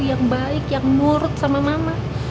yang baik yang nurut sama mama